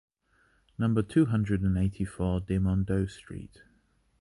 Number two hundred and eighty four, De Mondot street